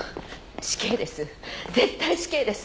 死刑です。